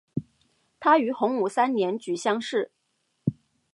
他于洪武三年举乡试。